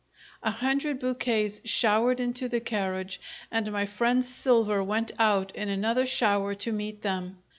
A hundred bouquets showered into the carriage, and my friend's silver went out in another shower to meet them.